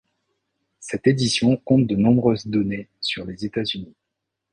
Cette édition compte de nombreuses données sur les États-Unis.